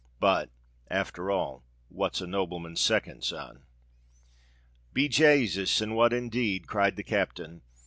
But, after all—what's a nobleman's second son?" "Be Jasus! and what indeed?" cried the captain.